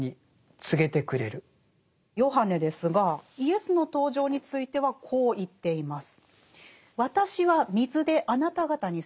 ヨハネですがイエスの登場についてはこう言っています。